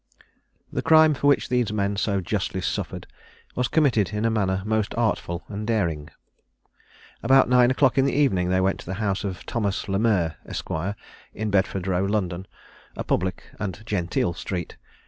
The crime for which these men so justly suffered was committed in a manner most artful and daring. About nine o'clock in the evening they went to the house of Thomas Le Merr, Esq. in Bedford row, London, a public and genteel street.